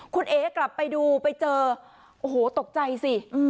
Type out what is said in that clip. คุณเอ๋กลับไปดูไปเจอโอ้โหตกใจสิ